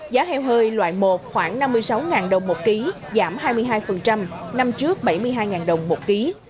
giá heo hơi loại một khoảng năm mươi sáu đồng một ký giảm hai mươi hai năm trước bảy mươi hai đồng một ký